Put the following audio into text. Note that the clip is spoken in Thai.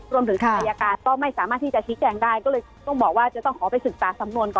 รวมถึงทางอายการก็ไม่สามารถที่จะชี้แจงได้ก็เลยต้องบอกว่าจะต้องขอไปศึกษาสำนวนก่อน